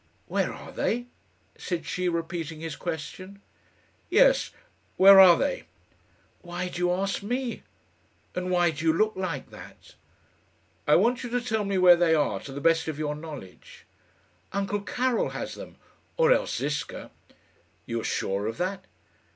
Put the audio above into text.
"Where are they?" said she, repeating his question. "Yes; where are they?" "Why do you ask me? And why do you look like that?" "I want you to tell me where they are, to the best of your knowledge." "Uncle Karil has them or else Ziska." "You are sure of that?"